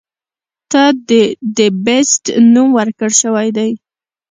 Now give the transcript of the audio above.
ته د “The Beast” نوم ورکړے شوے دے.